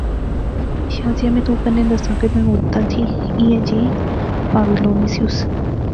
شازیہ میں تو کنے دساں کہ میں مدتیں تھی ایہھے جئی پہاوی لوڑنی سیوس